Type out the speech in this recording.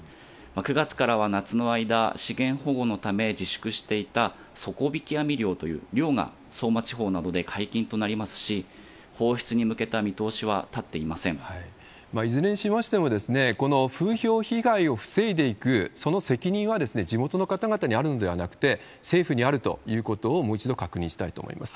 ９月からは夏の間、資源保護のため自粛していた、底引き網漁という漁が相馬地方などで解禁となりますし、放出に向いずれにしましても、この風評被害を防いでいくその責任は、地元の方々にあるんではなくて、政府にあるということをもう一度確認したいと思います。